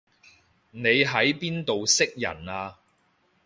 你喺邊度識人啊